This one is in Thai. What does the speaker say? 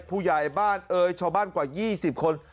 ผู้ใหญ่บ้านเอ่ยชาวบ้านกว่า๒๐คน